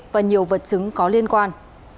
và nhiều vật chứng có liên quan